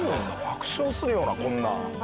爆笑するよなこんなん。